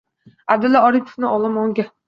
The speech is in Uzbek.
Аbdulla Oripovning “Olomonga”